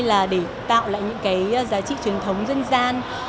là để tạo lại những cái giá trị truyền thống dân gian